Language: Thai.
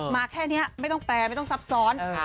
แค่นี้ไม่ต้องแปลไม่ต้องซับซ้อน